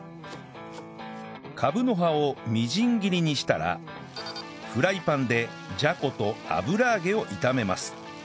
カブの葉をみじん切りにしたらフライパンでじゃこと油揚げを炒めます